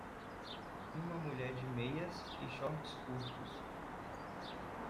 Uma mulher de meias e shorts curtos.